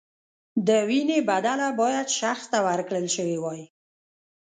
د وینې بدله باید شخص ته ورکړل شوې وای.